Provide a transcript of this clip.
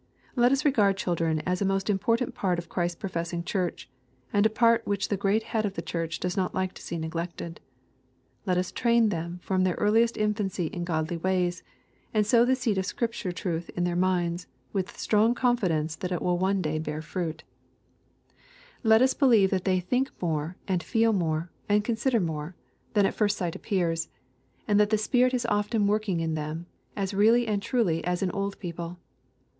Let us regard children as a most important part of Christ's professing Church, and a part which the great Head of the Church does not like to see neglected. Let us train them from their earliest infancy in godly ways, and sow the seed of Scripture truth in their minds, with strong confidence that it will one day bear fruit t *t >«.►•• I. LUKE, CHAP. XVIII. 269 Let us believe that they think more, and feel more, and consider more, than at first sight appears ; and that the Spirit is often working in them, as really and truly as in old people.